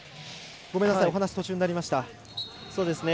ごめんなさいお話途中になりました。